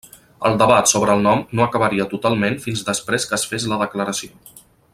El debat sobre el nom no acabaria totalment fins després que es fes la Declaració.